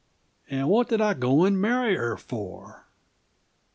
And what did I go and marry her for?"